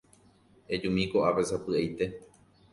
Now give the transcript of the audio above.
Ejumi ko'ápe sapy'aite.